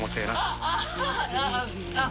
あっ！